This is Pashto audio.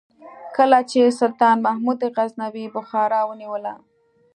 کله چې سلطان محمود غزنوي بخارا ونیوله.